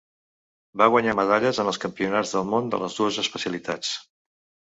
Va guanyar medalles en els campionats del món de les dues especialitats.